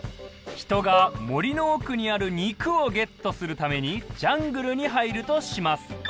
人が森のおくにある肉をゲットするためにジャングルに入るとします。